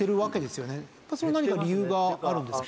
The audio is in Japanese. それ何か理由があるんですか？